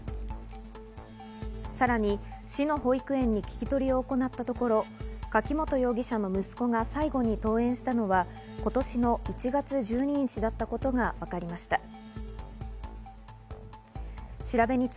さらに市が保育園に聞き取りを行ったところ柿本容疑者の息子が最後に登園したのは今年の１月１２日だったことがわかりました。